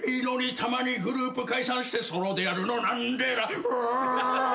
「たまにグループ解散してソロでやるのなんでだろう」